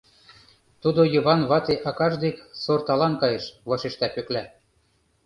— Тудо Йыван вате акаж дек сорталан кайыш, — вашешта Пӧкла.